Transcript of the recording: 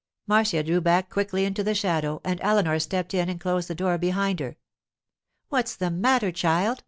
Marcia drew back quickly into the shadow, and Eleanor stepped in and closed the door behind her. 'What's the matter, child?